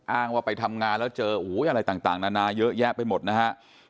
อ้างว่าไปทำงานแล้วเจออะไรต่างนานาเยอะแยะไปหมดนะฮะ